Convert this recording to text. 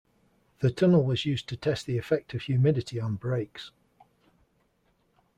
The tunnel was used to test the effect of humidity on brakes.